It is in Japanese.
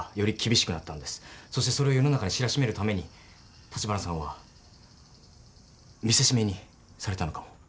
そしてそれを世の中に知らしめるために立花さんは見せしめにされたのかも。